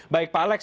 baik pak alex